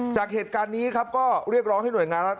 จากเหตุการณ์นี้ครับก็เรียกร้องให้หน่วยงานรัฐ